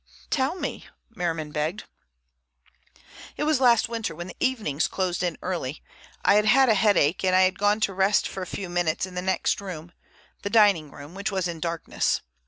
"Tell me," Merriman begged. "It was last winter when the evenings closed in early. I had had a headache and I had gone to rest for a few minutes in the next room, the dining room, which was in darkness.